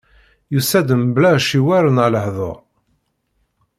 Yusa-d mebla aciwer neɣ lehdur.